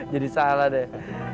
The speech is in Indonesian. jadi salah deh